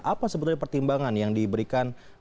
apa sebenarnya pertimbangan yang diberikan